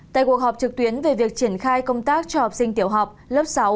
tại cuộc họp trực tuyến về việc triển khai công tác cho học sinh tiểu học lớp sáu